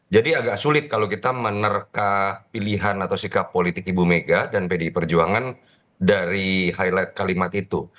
agak sulit kalau kita menerka pilihan atau sikap politik ibu mega dan pdi perjuangan dari highlight kalimat itu